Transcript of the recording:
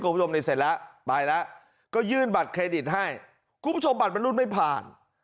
คุณผู้ชมนี่เสร็จแล้วไปแล้วก็ยื่นบัตรเครดิตให้คุณผู้ชมบัตรมันรุ่นไม่ผ่าน